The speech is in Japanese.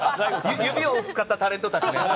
指を使ったタレントたちね。